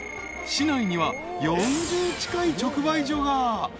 ［市内には４０近い直売所が］